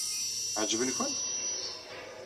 Ɛeǧben-kent?